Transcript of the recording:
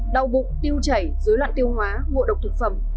đau bụng tiêu chảy dối loạn tiêu hóa ngộ độc thực phẩm